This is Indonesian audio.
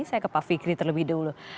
saya ke pak fikri terlebih dahulu